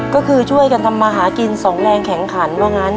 ก็คือช่วยกันทำมาหากินสองแรงแข็งขันว่างั้น